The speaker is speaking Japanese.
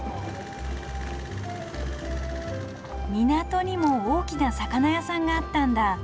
港にも大きな魚屋さんがあったんだ。